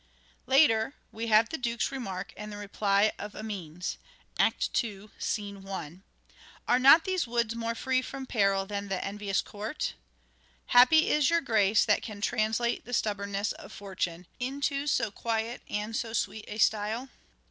Later we have the Duke's remark and the reply of Amiens (Act II, s. i) :—" Are not these woods more free from peril than the envious court ?"" Happy is your grace That can translate the stubborness of Fortune Into so quiet and so sweet a style